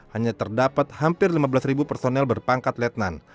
hanya terdapat hampir lima belas personel berpangkat letnan